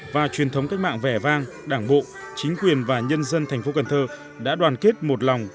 và truyền thống cách mạng vẻ vang đảng bộ chính quyền và nhân dân thành phố cần thơ đã đoàn kết một lòng